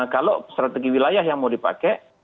kalau strategi wilayah yang mau dipakai